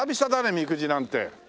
みくじなんて。